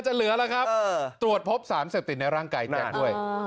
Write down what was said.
เหลือแล้วครับตรวจพบสารเสพติดในร่างกายแจ๊คด้วย